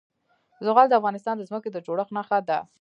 زغال د افغانستان د ځمکې د جوړښت نښه ده.